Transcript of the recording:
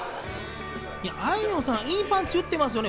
あいみょんさん、いいパンチ打ってますよね。